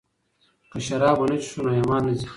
که شراب ونه څښو نو ایمان نه ځي.